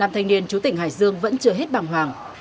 năm thanh niên chú tỉnh hải dương vẫn chưa hết bằng hoàng